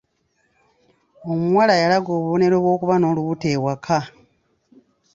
Omuwala yalaga obubonero bw'okuba n'olubuto ewaka.